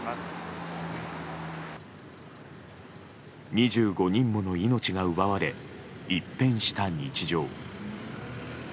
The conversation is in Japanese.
２５人もの命が奪われ一変した日常。